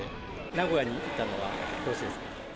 名古屋に来たのはどうしてですか。